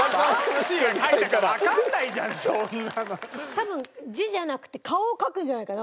多分字じゃなくて顔を描くんじゃないかな